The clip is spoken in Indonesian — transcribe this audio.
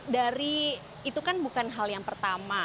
dari itu kan bukan hal yang pertama